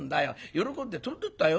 喜んで飛んでいったよ。